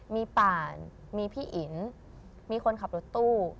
มีป่านมีพี่อินมีคนขับรถตู้